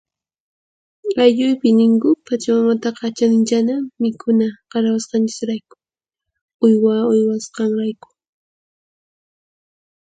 Aylluypi ninku, Pachamamataqa chaninchana mikhuna qarawasqanchisrayku uywa uywasqanrayku.